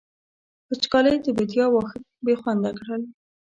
وچکالۍ د بېديا واښه بې خونده کړل.